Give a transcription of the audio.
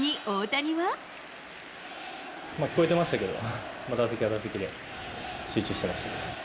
聞こえてましたけど、打席は打席で、集中してました。